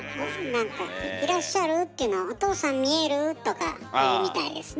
なんかいらっしゃるっていうのを「おとうさん見える」とか言うみたいですね。